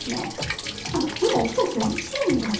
今お二人どちらにいらっしゃるんですか？